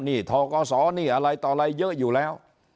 นี่ทกศนี่อะไรต่ออะไรเยอะอยู่แล้ว